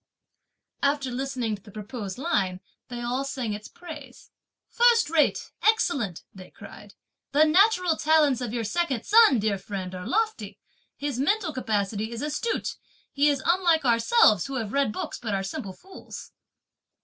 After listening to the proposed line, they all sang its praise. "First rate! excellent!" they cried, "the natural talents of your second son, dear friend, are lofty; his mental capacity is astute; he is unlike ourselves, who have read books but are simple fools."